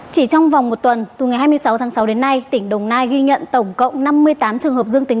chỉ trong vòng một tuần từ ngày hai mươi sáu tháng sáu đến nay tỉnh đồng nai ghi nhận tổng cộng năm mươi tám trường hợp dương tính